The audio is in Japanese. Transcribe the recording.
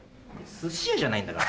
寿司屋じゃないんだから。